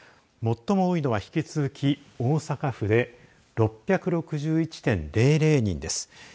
最も多いのは引き続き、大阪府で６６１．００人です。